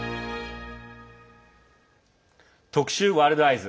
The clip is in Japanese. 特集「ワールドＥＹＥＳ」。